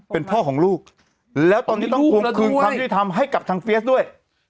เป็นพ่อของลูกแล้วตอนนี้ต้องทวงคืนความยุติธรรมให้กับทางเฟียสด้วย